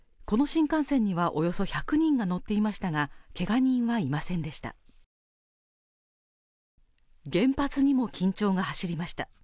この新幹線にはおよそ１００人が乗っていましたが、けが人はいませんでした。